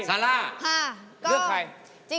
ซาร่าเลือกใคร